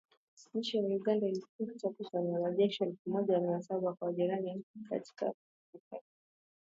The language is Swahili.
Nchi ya Uganda ilituma takribani wanajeshi elfu moja mia saba kwa jirani yake wa Afrika ya kati hapo mwezi Disemba.